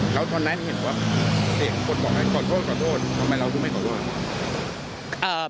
แล้วตอนนั้นเห็นว่าเห็นคนบอกให้ขอโทษขอโทษทำไมเราถึงไม่ขอโทษ